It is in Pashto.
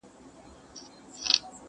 شپې د ځوانۍ لکه شېبې د وصل وځلېدې،